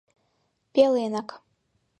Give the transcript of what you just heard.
Пеленак.